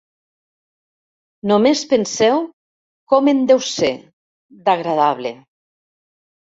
Només penseu com en deu ser, d'agradable!